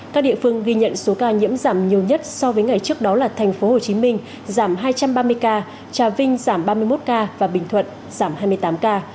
các địa phương ghi nhận số ca nhiễm giảm nhiều nhất so với ngày trước đó là thành phố hồ chí minh giảm hai trăm ba mươi ca trà vinh giảm ba mươi một ca và bình thuận giảm hai mươi tám ca